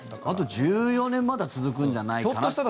あと１４年まだ続くんじゃないかなと。